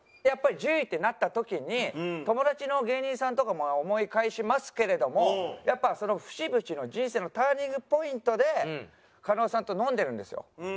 やっぱり１０位ってなった時に友達の芸人さんとかも思い返しますけれどもやっぱその節々の人生のターニングポイントで狩野さんと飲んでるんですよ。